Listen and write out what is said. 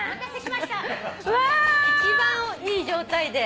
一番いい状態で。